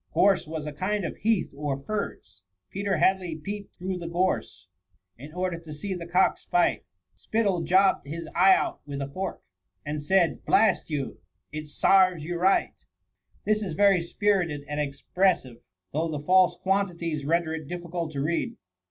^ Gorse was a kind of heath or furze. ' Peter Hadley peep'd through the gone. In order to see the cocks fight; Spittle jobb'd his eye out with a fork^ And said, ' Blast you, it Sarres you right !* THE MOMMY. 1^5 This is very spirited and expressive, though the false quantities render it difficult to read.